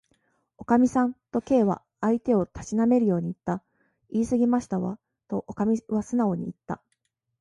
「おかみさん」と、Ｋ は相手をたしなめるようにいった。「いいすぎましたわ」と、おかみはすなおにいった。